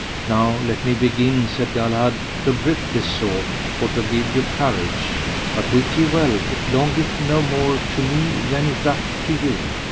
Now let me begin, said Galahad, to grip this sword for to give you courage; but wit ye well it longeth no more to me than it doth to you.